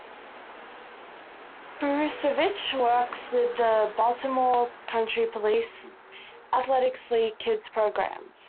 Peruzovic works with the Baltimore County Police Athletic League kids programs.